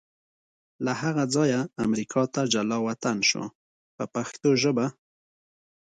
له هغه ځایه امریکا ته جلا وطن شو په پښتو ژبه.